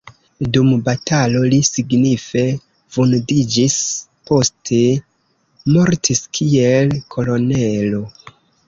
Dum batalo li signife vundiĝis, poste mortis kiel kolonelo.